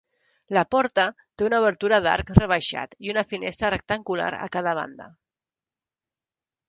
La porta té una obertura d'arc rebaixat i una finestra rectangular a cada banda.